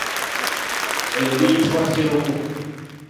Eryo liyitibwa sseruku.